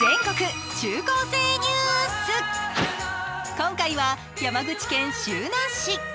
今回は山口県周南市。